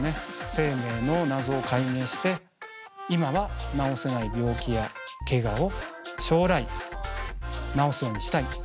生命の謎を解明して今は治せない病気やけがを将来治すようにしたい。